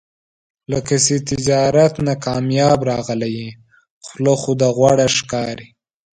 لکه چې تجارت نه کامیاب راغلی یې، خوله خو دې غوړه ښکاري.